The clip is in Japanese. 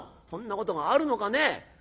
そんなことがあるのかねえ。